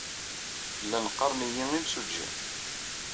Llan ɣɣaren-iyi imsujji.